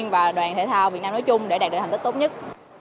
và đoàn thể thao việt nam nói chung để đạt được thành tích tốt nhất